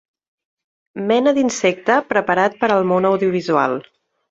Mena d'insecte preparat per al món audiovisual.